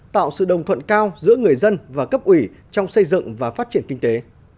tạo sự đồng thuận cao giữa người dân và cấp ủy trong xây dựng và phát triển kinh tế